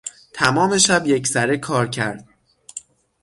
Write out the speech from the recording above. تمام شب یکسره کار کرد.